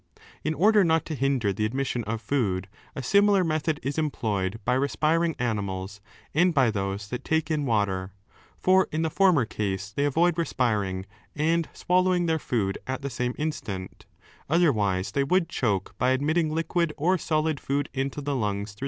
In order not to hinder the admission of food, a similar method is employed by respiring animals and by those that take in water. For in the former case they avoid respiring and swallowing their food at the same instant, otherwise they would choke by admitting liquid or solid food into the lungs through the windpipe.